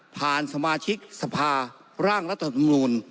สมาชิกสภาร่างรัฐธรรมนูล